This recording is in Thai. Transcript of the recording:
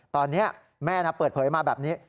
ตอนนี้แม่เปิดเผยมาแบบนี้